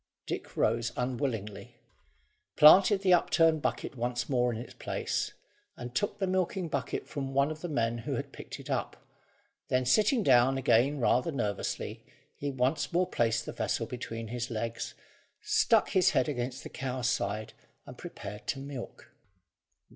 Dick rose unwillingly, planted the upturned bucket once more in its place, and took the milking bucket from one of the men who had picked it up. Then, sitting down again rather nervously, he once more placed the vessel between his legs, stuck his head against the cow's side, and prepared to milk.